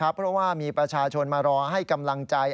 เพราะว่ามีประชาชนมารอให้กำลังใจ